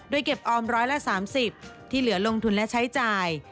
โดยเก็บออมร้อยละ๓๐ที่เหลือลงทุนและใช้จ่าย